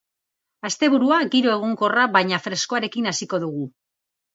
Asteburua giro egonkorra baina freskoarekin hasiko dugu.